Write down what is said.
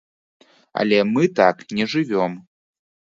Але мы так не жывём.